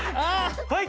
はい！